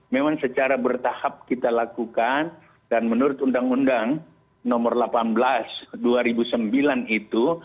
memang secara bertahap kita lakukan dan menurut undang undang nomor delapan belas dua ribu sembilan itu